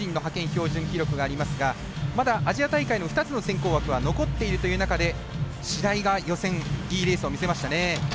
標準記録がありますがまだアジア大会の２つの選考枠は残っているという中で白井が予選、いいレースを見せましたね。